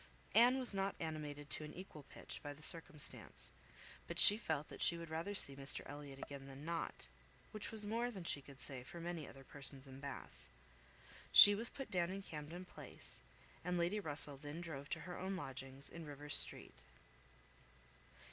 Anne was not animated to an equal pitch by the circumstance, but she felt that she would rather see Mr Elliot again than not, which was more than she could say for many other persons in Bath. She was put down in Camden Place; and Lady Russell then drove to her own lodgings, in Rivers Street.